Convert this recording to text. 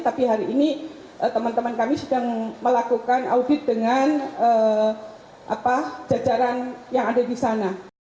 tapi hari ini teman teman kami sedang melakukan audit dengan jajaran yang ada di sana